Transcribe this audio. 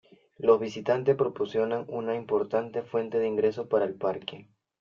Los visitantes proporcionan una importante fuente de ingresos para el parque.